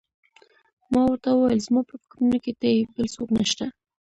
ما ورته وویل: زما په فکرونو کې ته یې، بل څوک نه شته.